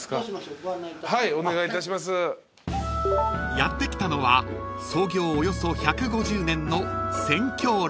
［やって来たのは創業およそ１５０年の］